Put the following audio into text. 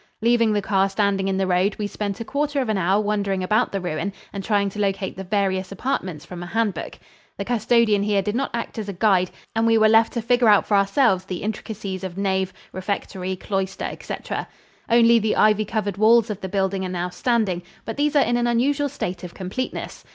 Leaving the car standing in the road, we spent a quarter of an hour wandering about the ruin and trying to locate the various apartments from a hand book. The custodian here did not act as a guide, and we were left to figure out for ourselves the intricacies of nave, refectory, cloister, etc. Only the ivy covered walls of the building are now standing, but these are in an unusual state of completeness.